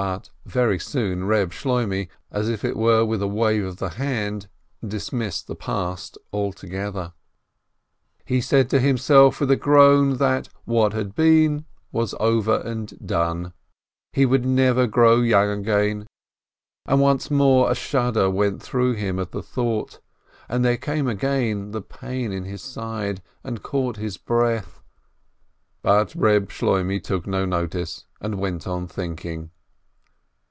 But very soon Reb Shloimeh, as it were with a wave of the hand, dismissed the past altogether. 22 334 PINSKI He said to himself with a groan that what had been was over and done; he would never grow young again, and once more a shudder went through him at the thought, and there came again the pain in his side and caught his breath, but Reb Shloimeh took no notice, and went on thinking.